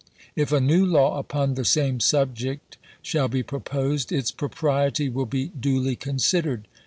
If a new law upon the same subject shall be proposed, its propriety will be duly considered.